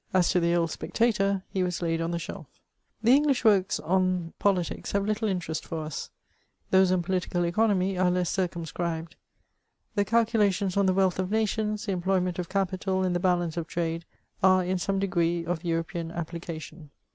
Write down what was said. As to the old Spectator, he was laid on the shelf. The English works on politics have little interest for us ; those on political economy are less circumscribed ; the calcu lations on the wealth of nations, the employment of capital, and the balance of trade, are in some degree of European applica tion.